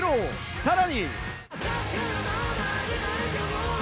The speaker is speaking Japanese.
さらに。